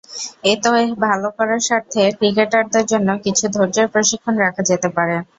এতে ভালো করার স্বার্থে ক্রিকেটারদের জন্য কিছু ধৈর্যের প্রশিক্ষণ রাখা যেতে পারে।